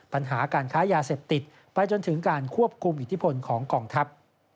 ปัญหาการค้ายาเสพติดไปจนถึงการควบคุมอิทธิพลของกองทัพ